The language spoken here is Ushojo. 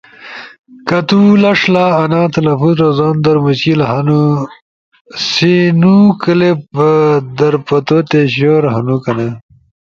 کہ تو لݜ لا انا تلفظ رزوندر مشکل ہنو سی نو کلپ در پتو تے شور ہنو کنیا